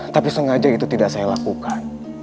tapi sengaja itu tidak saya lakukan